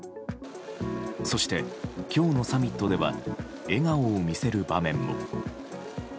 そして、今日のサミットでは笑顔を見せる場面も。